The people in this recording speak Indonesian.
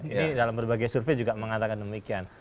ini dalam berbagai survei juga mengatakan demikian